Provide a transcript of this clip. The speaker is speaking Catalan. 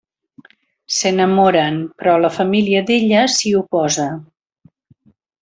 S'enamoren però la família d'ella s'hi oposa.